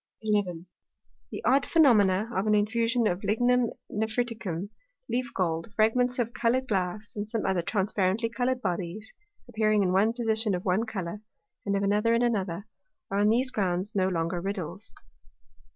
11. The odd Phænomena of an infusion of Lignum Nephriticum, Leaf gold, Fragments of colour'd Glass, and some other transparently coloured Bodies, appearing in one Position of one Colour, and of another in another, are on these grounds no longer Riddles.